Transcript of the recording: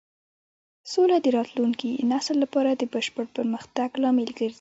سوله د راتلونکي نسل لپاره د بشپړ پرمختګ لامل ګرځي.